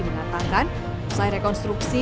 mengatakan selesai rekonstruksi